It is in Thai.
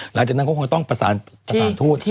หลังจากนั้นก็คงต้องประสานสถานทูต